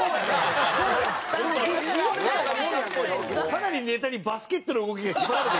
かなりネタにバスケットの動きが引っ張られてる。